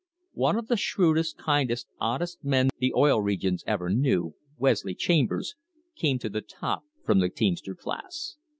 One of the shrewd est, kindest, oddest men the Oil Regions ever knew, Wesley Chambers, came to the top from the teamster class.